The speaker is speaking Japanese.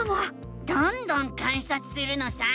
どんどん観察するのさ！